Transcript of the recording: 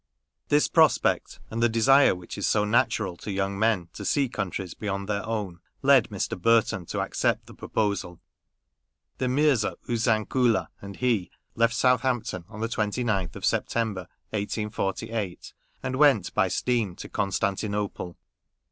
This prospect, and the desire which is so natural to young men, to see countries beyond their own, led Mr. Burton to accept the proposal. The Mirza Oosan Koola and he left Southampton on the twenty ninth of Sep tember, 1848, and went by steam to Constan tinople.